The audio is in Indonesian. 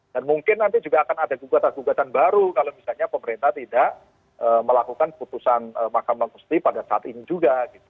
dan mungkin nanti juga akan ada gugatan gugatan baru kalau misalnya pemerintah tidak melakukan putusan mahkamah konstitusi pada saat ini juga